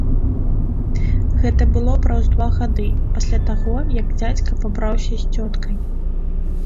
Гэта было праз два гады пасля таго, як дзядзька пабраўся з цёткай.